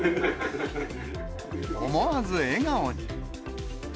思わず笑顔に。